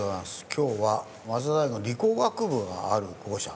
今日は早稲田大学の理工学部がある校舎